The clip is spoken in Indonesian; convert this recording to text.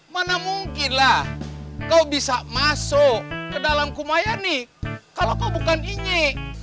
kau ini mana mungkin lah kau bisa masuk ke dalam kumain ini kalau kau bukan inye